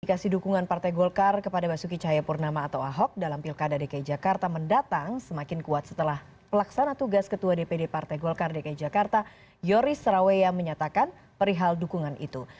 dikasih dukungan partai golkar kepada basuki cahayapurnama atau ahok dalam pilkada dki jakarta mendatang semakin kuat setelah pelaksana tugas ketua dpd partai golkar dki jakarta yoris raweya menyatakan perihal dukungan itu